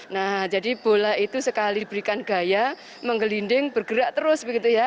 nah jadi bola itu sekali diberikan gaya menggelinding bergerak terus begitu ya